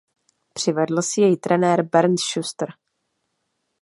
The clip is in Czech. Přivedl si jej trenér Bernd Schuster.